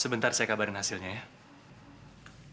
sebentar saya kabarin hasilnya ya